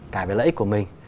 cả về lợi ích của mình